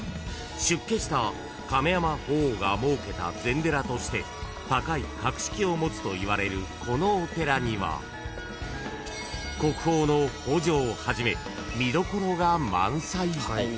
［出家した亀山法皇が設けた禅寺として高い格式を持つといわれるこのお寺には国宝の方丈をはじめ見どころが満載］